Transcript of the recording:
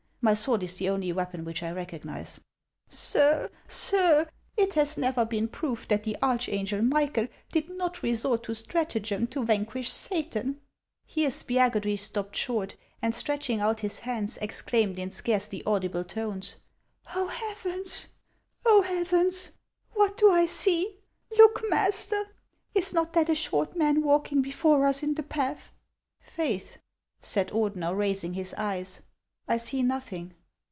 My sword is the only weapon which I recognize." " Sir, sir ! it has never been proved that the archangel Michael did not resort to stratagem to vanquish Satan." Here Spiagudry stopped short, and stretching out his hands, exclaimed in scarcely audible tones, " Oh, heavens ! Oh, heavens ! What do I see ? Look, master ; is riot that a short man walking before us in the path ?" "Faith," said Ordener, raising his eyes, " I see nothing."